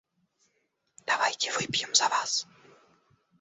Давайте выпьем за Вас.